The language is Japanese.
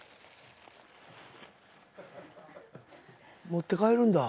持って帰るんだ。